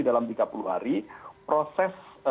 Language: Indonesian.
dalam tiga puluh hari proses